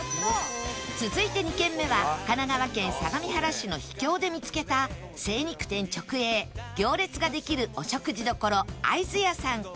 続いて２軒目は神奈川県相模原市の秘境で見つけた精肉店直営行列ができるお食事処愛津屋さん